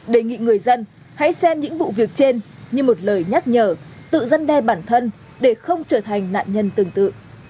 đề nghị người dân hãy xem những vụ việc trên như một lời nhắc nhở tự dân đe bản thân để không trở thành nạn nhân tương tự